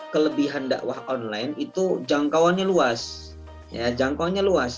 kelebihan dakwah online itu jangkauannya luas